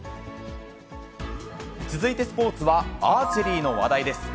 続いてスポーツはアーチェリーの話題です。